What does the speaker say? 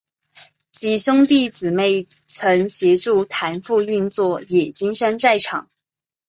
几兄弟姊妹曾协助谭父运作冶金山寨厂。